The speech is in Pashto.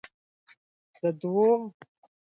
ده د اپوزېسیون ملاتړ هڅولی دی.